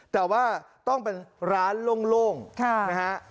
แต่ว่าต้องเป็นร้านโล่งนะฮะ